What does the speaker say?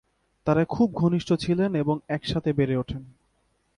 তারা খুব ঘনিষ্ঠ ছিলেন এবং একসাথে বেড়ে ওঠেন।